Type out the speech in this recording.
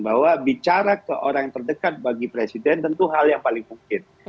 bahwa bicara ke orang terdekat bagi presiden tentu hal yang paling mungkin